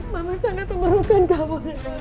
mama sangat membutuhkan kamu